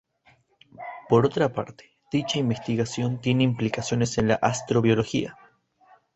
Por otra parte, dicha investigación tiene implicaciones en la astrobiología.